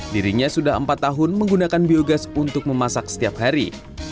dirinya sudah empat tahun menggunakan biogas untuk memasak setiap hari